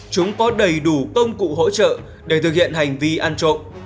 chúng có đầy đủ công cụ hỗ trợ để thực hiện hành vi ăn trộm